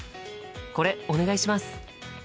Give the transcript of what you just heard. これお願いします！